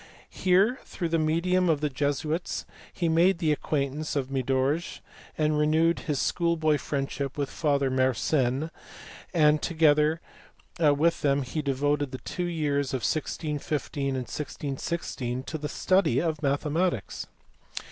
Here through the medium of the Jesuits he made the acquaintance of Mydorge and renewed his schoolboy friendship with Father Mersenne, and together with them he devoted the two years of 1615 and 1616 to the study of mathematics.